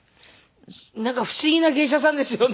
なんか不思議な芸者さんですよね。